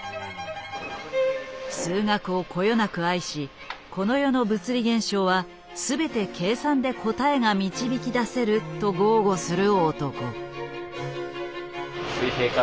数学をこよなく愛しこの世の物理現象は全て計算で答えが導き出せると豪語する男。